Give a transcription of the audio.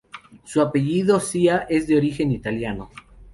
Su apellido Zia es de origen italiano.